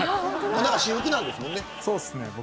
私服なんですもんね。